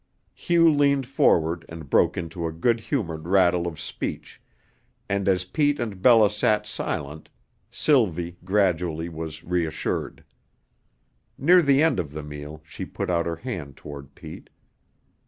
Hugh leaned forward and broke into a good humored rattle of speech, and as Pete and Bella sat silent, Sylvie gradually was reassured. Near the end of the meal she put out her hand toward Pete.